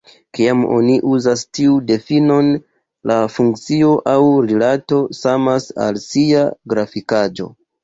Kiam oni uzas tiun difinon, la funkcio aŭ rilato samas al sia grafikaĵo.